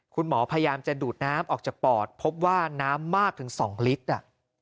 คุณหมอพยายามจะดูดน้ำออกจากปอดพบว่าน้ำมากถึง๒ลิตร